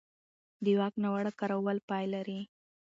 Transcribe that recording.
د واک ناوړه کارول پای لري